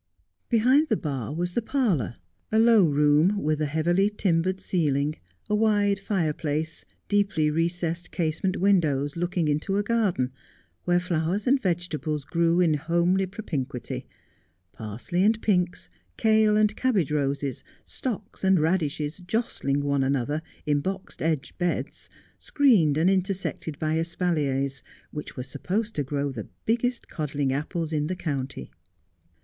Behind the bar was the parlour, a low room with a heavily 'At the Sugar Loaves' 79 limbered ceiling, a wide fire place, deeply recessed casement windows looking into a garden where flowers and vegetables grew in homely propinquity, parsley and pinks, kail and cabbage roses, stocks and radishes jostling one another, in box edged beds, screened and intersected by espaliers which were supposed to grow the biggest codling apples in the county.